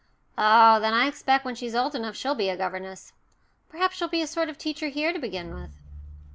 "Oh, then, I expect when she's old enough she'll be a governess perhaps she'll be a sort of teacher here to begin with."